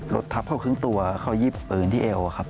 รถทับเขาครึ่งตัวเขายิบปืนที่เอวครับ